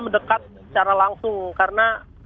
mendekat secara langsung karena